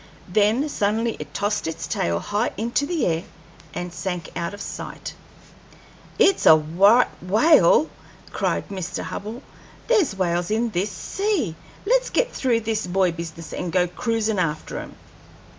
Then suddenly it tossed its tail high into the air and sank out of sight. "It's a right whale!" cried Captain Hubbell. "There's whales in this sea! Let's get through this buoy business and go cruisin' after 'em."